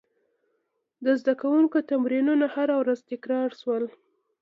د زده کوونکو تمرینونه هره ورځ تکرار شول.